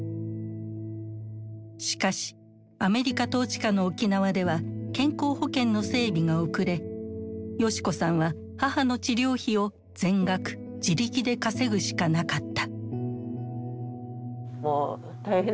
しかしアメリカ統治下の沖縄では健康保険の整備が遅れ世志子さんは母の治療費を全額自力で稼ぐしかなかった。